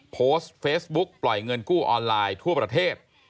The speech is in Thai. โพสต์เฟซบุ๊กปล่อยเงินกู้ออนไลน์ทั่วประเทศ